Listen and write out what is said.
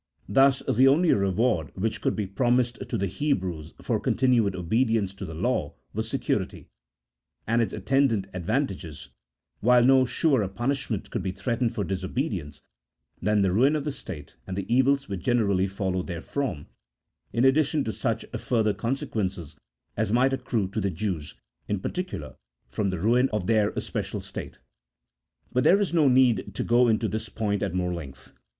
Thus, the only reward which could be promised to the Hebrews for continued obedience to the law was security 2 and its atten dant advantages, while no surer punishment could be threatened for disobedience, than the ruin of the state and the evils which generally follow therefrom, in addition to such further consequences as might accrue to the Jews in particular from the ruin of their especial state. But there is no need here to go into this point at more length.